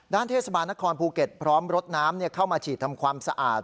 เทศบาลนครภูเก็ตพร้อมรถน้ำเข้ามาฉีดทำความสะอาด